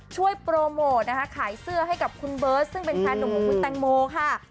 ช่วยโปรโมทนะคะขายเสื้อให้กับคุณเบิร์ตซึ่งเป็นแฟนหนุ่มของคุณแตงโมค่ะ